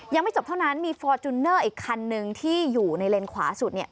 ยังไม่จบเท่านั้นมีฟอร์จูเนอร์อีกคันนึงที่อยู่ในเลนขวาสุดเนี่ย